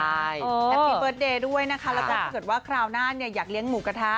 แฮปปี้เบิร์ตเดย์ด้วยนะคะแล้วก็ถ้าเกิดว่าคราวหน้าเนี่ยอยากเลี้ยงหมูกระทะ